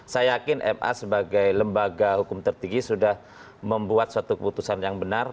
saya yakin ma sebagai lembaga hukum tertinggi sudah membuat suatu keputusan yang benar